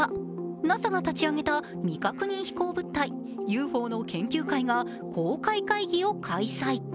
ＮＡＳＡが立ち上げた未確認飛行物体ＵＦＯの研究会が公開会議を開催。